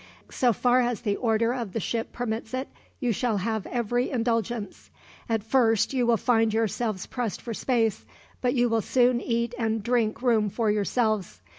"So far as the order of the ship permits it, you shall have every indulgence. At first you will find yourselves pressed for space, but you will soon eat and drink room for yourselves.